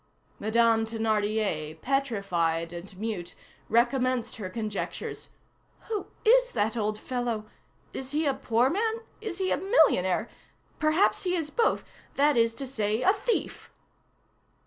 Madame Thénardier, petrified and mute, recommenced her conjectures: "Who is that old fellow? Is he a poor man? Is he a millionaire? Perhaps he is both; that is to say, a thief."